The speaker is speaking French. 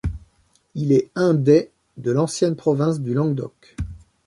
Il est un des de l'ancienne province du Languedoc.